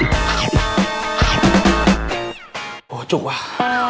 โว่จุ๊กว่า